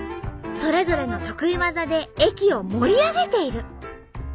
それぞれの得意技で駅を盛り上げている。